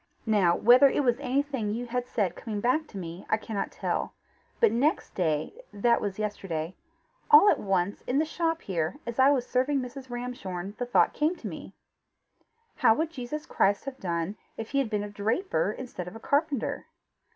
"Now whether it was anything you had said coming back to me, I cannot tell, but next day, that was yesterday, all at once, in the shop here, as I was serving Mrs. Ramshorn, the thought came to me: How would Jesus Christ have done if he had been a draper instead of a carpenter?